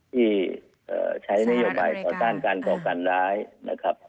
ที่ใช้นโยบายต่อต้านการก่อการร้ายนะครับ